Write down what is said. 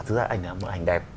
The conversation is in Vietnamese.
thực ra ảnh này là một ảnh đẹp